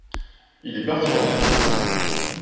Il est parti en mer.